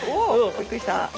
びっくりした。